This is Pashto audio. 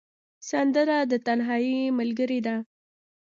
سندره د تنهايي ملګرې ده